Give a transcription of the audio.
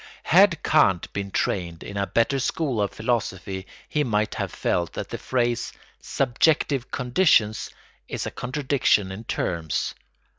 Had Kant been trained in a better school of philosophy he might have felt that the phrase "subjective conditions" is a contradiction in terms.